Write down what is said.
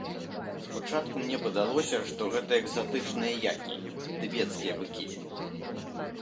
Спачатку мне падалося, што гэта экзатычныя які, тыбецкія быкі.